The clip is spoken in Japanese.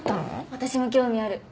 私も興味ある。